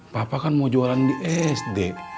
papa kan mau jualan di sd